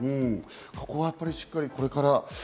ここはしっかりこれから。